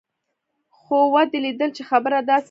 خو ودې ليدل چې خبره داسې نه وه.